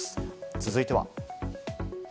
続いては。